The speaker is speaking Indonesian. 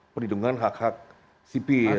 pendidikan hak hak sipil